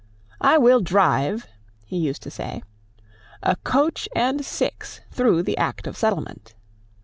"I will drive," he used to say, "a coach and six through the Act of Settlement."